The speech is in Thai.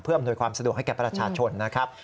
อำนวยความสะดวกให้แก่ประชาชนนะครับ